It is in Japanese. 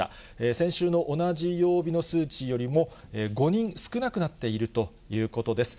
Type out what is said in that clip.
先週の同じ曜日の数値よりも５人少なくなっているということです。